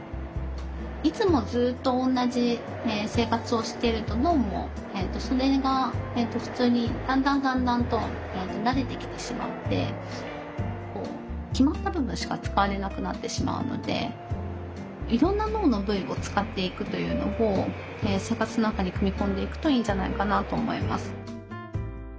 いつもずっと同じ生活をしてると脳もそれが普通にだんだんだんだんと慣れてきてしまって決まった部分しか使われなくなってしまうのでいろんな脳の部位を使っていくというのを生活の中に組み込んでいくといいんじゃないかなと思います。